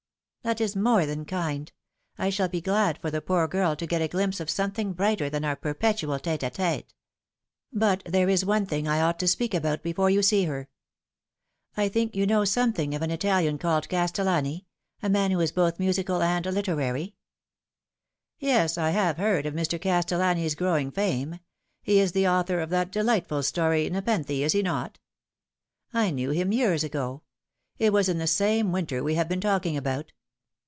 " That is more than kind. I shall be glad for the poor girl to get a glimpse of something brighter than our perpetual tete d iete. But there is one thing I ought to speak about before yon see her. I think you know something of an Italian called Castellani, a man who is both musical and literary." " Yes, I have heard of Mr. Castellani's growing fame. He is the author of that delightful story Nepenthe, is he not ? I knew him years ago it was in the same winter we have been talking about.